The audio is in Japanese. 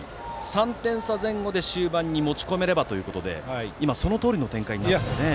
３点差前後で終盤に持ち込めればということで今、そのとおりの展開になっていますね。